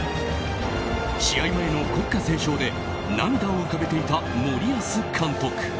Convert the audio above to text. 試合前の国歌斉唱で涙を浮かべていた森保監督。